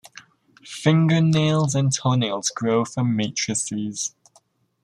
Finger nails and toenails grow from matrices.